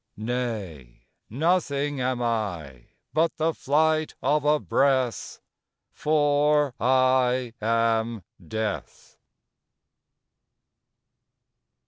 Nay; nothing am I, But the flight of a breath For I am Death!